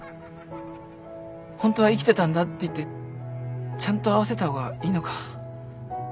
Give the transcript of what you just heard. ホントは生きてたんだって言ってちゃんと会わせた方がいいのか？